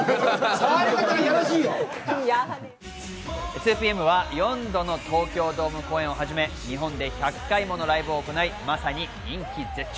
２ＰＭは４度の東京ドーム公演をはじめ、日本で１００回ものライブを行い、まさに人気絶頂。